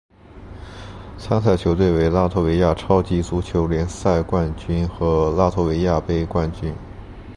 参赛球队为拉脱维亚超级足球联赛冠军和拉脱维亚杯冠军。